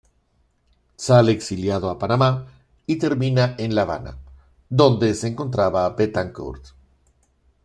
Sale a exiliado a Panamá y termina en La Habana, donde se encontraba Betancourt.